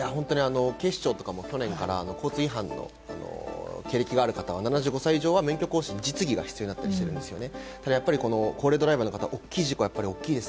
警視庁も去年から交通違反の経歴がある方は、７５歳以上は免許更新、実技は必要なんですよね。